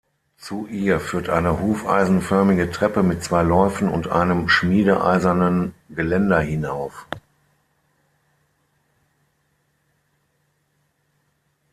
Zu ihr führt eine hufeisenförmige Treppe mit zwei Läufen und einem schmiedeeisernen Geländer hinauf.